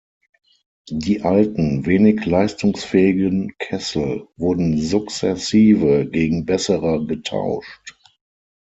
Die alten, wenig leistungsfähigen Kessel wurden sukzessive gegen bessere getauscht.